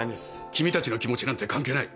君たちの気持ちなんて関係ない。